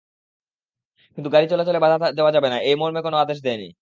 কিন্তু গাড়ি চলাচল করলে বাধা দেওয়া যাবে না—এই মর্মে কোনো আদেশ দেননি।